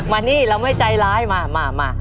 มานี่เราไม่ใจร้ายมามา